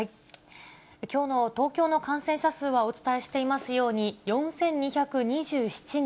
きょうの東京の感染者数は、お伝えしていますように、４２２７人。